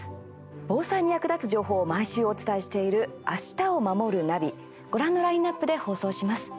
防災に役立つ情報を毎週お伝えしている「明日をまもるナビ」ご覧のラインナップで放送します。